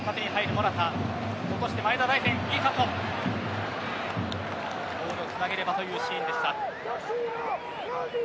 ボールをつなげればというシーンでした。